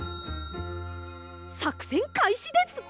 さくせんかいしです！